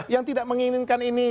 yang tidak menginginkan ini